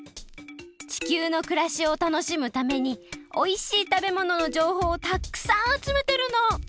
地球のくらしをたのしむためにおいしい食べもののじょうほうをたっくさんあつめてるの！